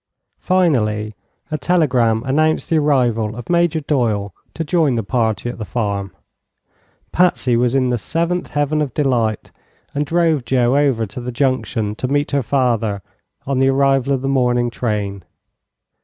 Finally a telegram announced the arrival of Major Doyle to join the party at the farm. Patsy was in the seventh heaven of delight, and drove Joe over to the Junction to meet her father on the arrival of the morning train.